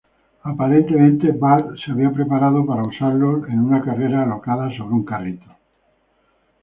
Aparentemente, Bart se había preparado para usarlos para una carrera alocada sobre un carrito.